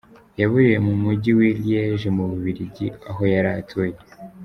Yaburiye mu mujyi wa Liège mu Bubiligi aho yari atuye.